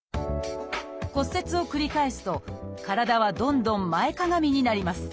骨折を繰り返すと体はどんどん前かがみになります。